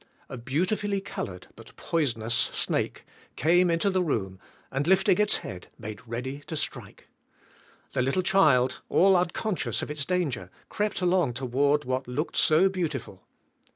A beautifully colored but poisonous snake came into the room and lifting its head made ready to strike. The little child, all un conscious of its dang er, crept along toward what looked so beautiful.